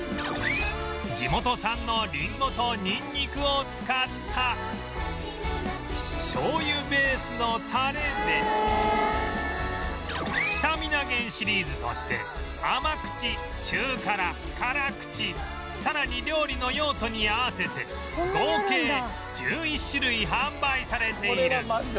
地元産のりんごとにんにくを使った醤油ベースのタレでスタミナ源シリーズとして甘口中辛辛口さらに料理の用途に合わせて合計１１種類販売されている